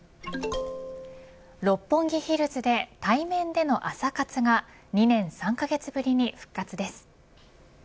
六本木ヒルズで対面での朝活が２年３カ月ぶりに復活です。